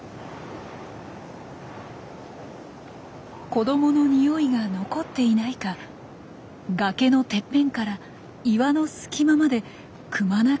子どものにおいが残っていないか崖のてっぺんから岩の隙間までくまなく確認していきます。